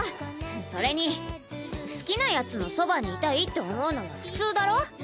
それに好きなヤツのそばにいたいって思うのは普通だろ。